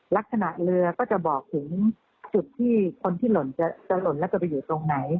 ลักษณะเรือก็จะบอกถึงจุดที่คนที่หล่นจะหล่นแล้วจะไปอยู่ตรงไหน